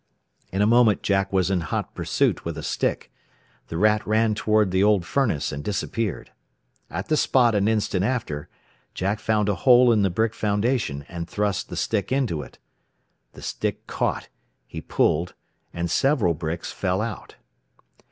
In a moment Jack was in hot pursuit with a stick. The rat ran toward the old furnace, and disappeared. At the spot an instant after, Jack found a hole in the brick foundation, and thrust the stick into it. The stick caught, he pulled, and several bricks fell out.